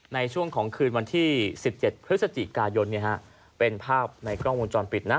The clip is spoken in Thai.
ในช่วงของคืนวันที่สิบเจ็ดพฤษจิกายนเนี้ยฮะเป็นภาพในกล้องวงจรปิดนะ